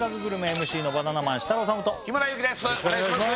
ＭＣのバナナマン設楽統と日村勇紀ですお願いします！